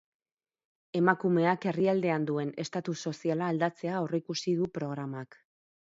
Emakumeak herrialdean duen estatus soziala aldatzea aurreikusi du programak.